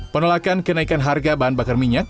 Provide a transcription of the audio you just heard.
penolakan kenaikan harga bahan bakar minyak